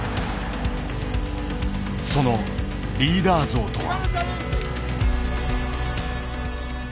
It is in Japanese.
そのリーダー像とは。